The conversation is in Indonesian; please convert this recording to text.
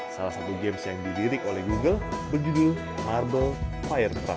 salah satu game yang didirik oleh google berjudul marble firetruck